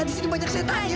di sini banyak setan ya